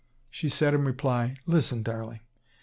She said in reply: "Listen, darling!